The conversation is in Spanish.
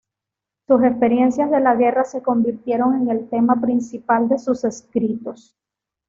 Sus experiencias de la guerra se convirtieron en el tema principal de sus escritos.